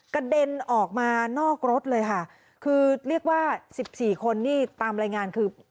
กระเด็นออกมานอกรถเลยค่ะคือเรียกว่าสิบสี่คนนี่ตามรายงานคือ